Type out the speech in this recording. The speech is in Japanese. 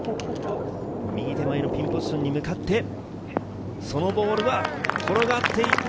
右手前のピンポジションに向かって、そのボールは転がっていって。